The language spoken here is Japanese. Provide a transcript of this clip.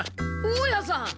大家さん！